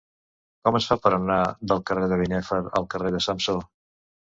Com es fa per anar del carrer de Binèfar al carrer de Samsó?